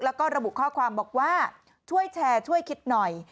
แล้วก็ระบุข้อความบอกว่าช่วยแชร์ช่วยคิดหน่อย